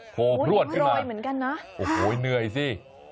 โอ้โหพลวนขึ้นมาโอ้โหเหนื่อยสิ